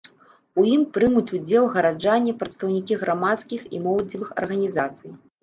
У ім прымуць удзел гараджане, прадстаўнікі грамадскіх і моладзевых арганізацый.